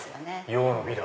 用の美だ。